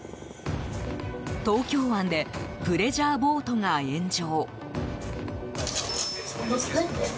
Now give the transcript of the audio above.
東京湾でプレジャーボートが炎上。